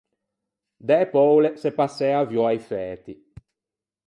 Da-e poule s’é passæ aviou a-i fæti.